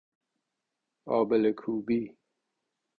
آبله کوبی